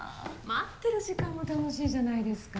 待ってる時間も楽しいじゃないですか。